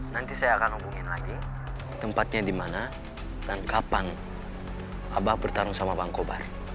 nanti saya akan hubungin lagi tempatnya di mana dan kapan abah bertarung sama bang kobar